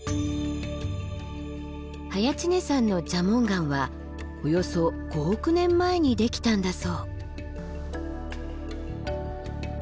早池峰山の蛇紋岩はおよそ５億年前にできたんだそう。